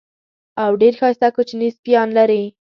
او ډېر ښایسته کوچني سپیان لري.